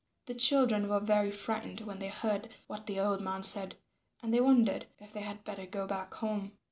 The children were very frightened when they heard what the old man said and they wondered if they had better go back home.